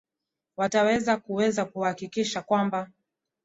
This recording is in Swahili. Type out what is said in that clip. wataweza kuweza kuhakikisha kwamba